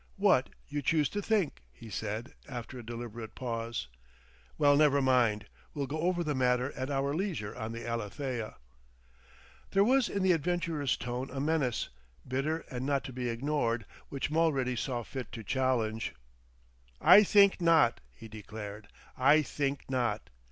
"What you choose to think," he said after a deliberate pause. "Well, never mind! We'll go over the matter at our leisure on the Alethea." There was in the adventurer's tone a menace, bitter and not to be ignored; which Mulready saw fit to challenge. "I think not," he declared; "I think not.